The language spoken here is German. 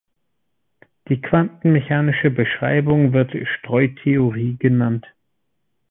Die quantenmechanische Beschreibung wird Streutheorie genannt.